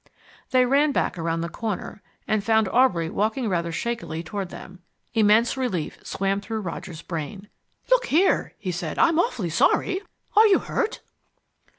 They ran back around the corner, and found Aubrey walking rather shakily toward them. Immense relief swam through Roger's brain. "Look here," he said, "I'm awfully sorry are you hurt?"